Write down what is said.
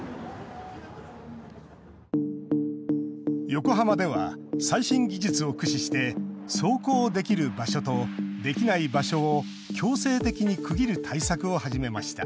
横浜では最新技術を駆使して走行できる場所とできない場所を強制的に区切る対策を始めました。